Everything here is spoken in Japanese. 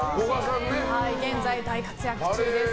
現在、大活躍中です。